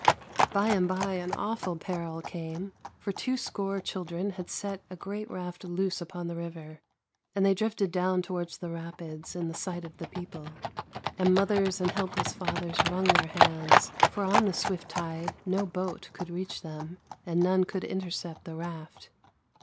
By and by an awful peril came, for two score chil dren had set a great raft loose upon the river, and they drifted down towards the rapids in the sight of the people ; and mothers and helpless fathers wrung their hands, for on the swift tide no boat could reach them, and none could intercept the raft.